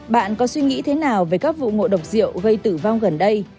bạn có suy nghĩ thế nào về các vụ ngộ độc rượu gây tử vong gần đây